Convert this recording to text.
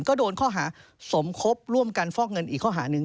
ก็โดนข้อหาสมคบร่วมกันฟอกเงินอีกข้อหาหนึ่ง